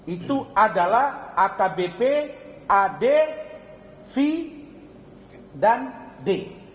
itu adalah akbp ad v dan d